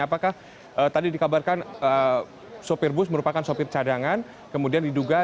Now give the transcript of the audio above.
apakah tadi dikabarkan sopir bus merupakan sopir cadangan kemudian diduga